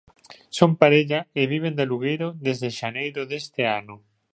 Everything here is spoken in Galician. Son parella e viven de alugueiro desde xaneiro deste ano.